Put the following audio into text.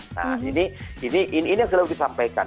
nah ini selalu disampaikan